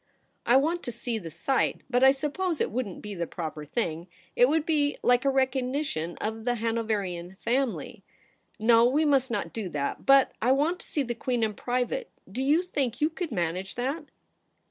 ' I want to see the sight, but I suppose it wouldn't be the proper thing. It would be like a recognition of the Hanoverian family. No ; we must not do that. But I want to see the Queen in private ; do you think you could manage that